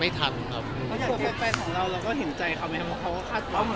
ไม่อยากที่ว่าแฟนของเรา